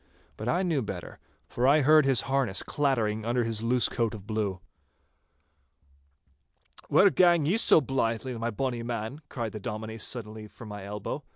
But I knew better, for I heard his harness clattering under his loose coat of blue. 'Where gang ye so blythe, my bonny man?' cried the Dominie suddenly from my elbow.